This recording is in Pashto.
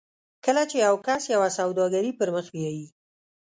کله چې یو کس یوه سوداګري پر مخ بیایي